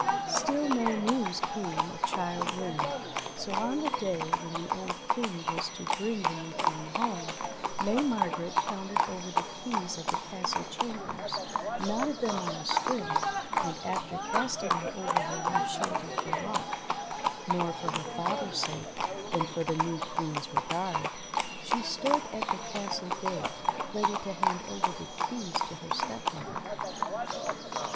Still no news came of Childe Wynde ; so on the day when the old King was to bring the new Queen home, May Mar gret counted over the keys of the castle chambers, knotted them on a string, and after casting them over her left shoulder for luck — more for her father's sake than for the new Queen's regard — she stood at the Castle gate ready to hand over the keys to her stepmother.